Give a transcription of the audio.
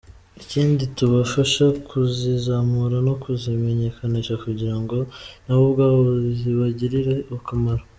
Ikindi tubafasha kuzizamura no kuzimenyekanisha kugira ngo nabo ubwabo zibagirire akamaro.